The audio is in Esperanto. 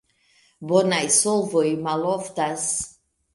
Bonaj solvoj maloftas.